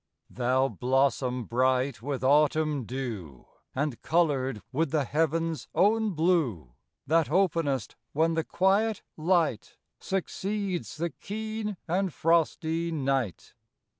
Thou blossom bright with autumn dew, And coloured with the heaven's own blue, That openest when the quiet light Succeeds the keen and frosty night.